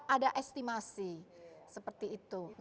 ada estimasi seperti itu